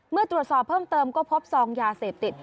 เมื่อตรวจสอบเพิ่มเติมก็พบซองยาเสพติด